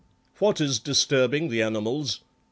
"What is disturbing the animals?"